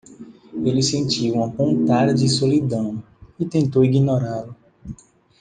Ele sentiu uma pontada de solidão e tentou ignorá-lo.